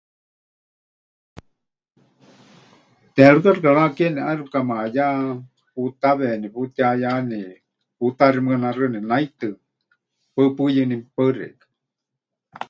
Teerɨka xɨka rakeeni ʼaixɨ pɨkamayá, putaweni, putihayani, putaximɨanaxɨani naitɨ, mɨpaɨ puyɨní. Paɨ xeikɨ́a.